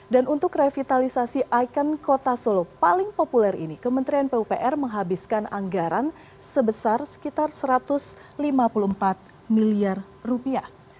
dan untuk revitalisasi ikon kota solo paling populer ini kementrian pupr menghabiskan anggaran sebesar sekitar satu ratus lima puluh empat miliar rupiah